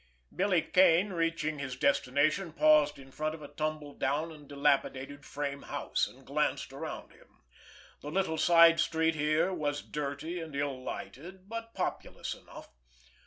Billy Kane, reaching his destination, paused in front of a tumble down and dilapidated frame house, and glanced around him. The little side street here was dirty and ill lighted, but populous enough.